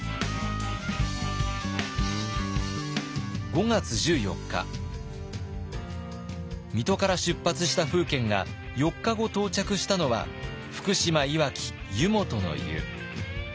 ５月１４日水戸から出発した楓軒が４日後到着したのは福島いわき湯本の湯。